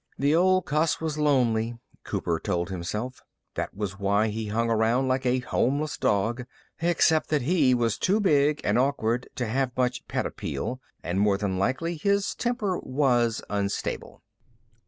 The old cuss was lonely, Cooper told himself. That was why he hung around like a homeless dog except that he was too big and awkward to have much pet appeal and, more than likely, his temper was unstable.